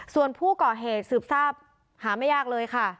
ส่วนผู้ก่อเหตุสืบทราบหาไม่ยากเลยค่ะ